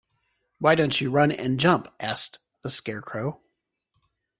Why don't you run and jump? asked the Scarecrow.